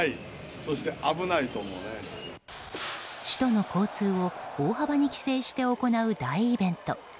首都の交通を大幅に規制して行う大イベント